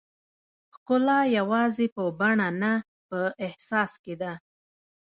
ښکلا یوازې په بڼه نه، په احساس کې ده.